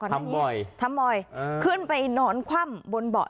ทำบอยทำบอยเออขึ้นไปหนอนคว่ำบนเบาะ